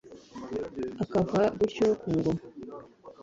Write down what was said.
akava gutyo ku ngoma